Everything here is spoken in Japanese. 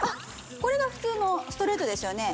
これが普通のストレートですよね